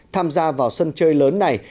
tham gia vào sân chơi lớn này